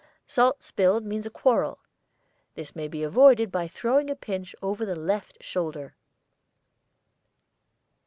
SALT spilled means a quarrel. This may be avoided by throwing a pinch over the left shoulder.